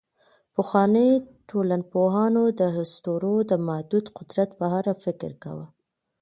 پخواني ټولنپوهان د اسطورو د محدود قدرت په اړه فکر کاوه.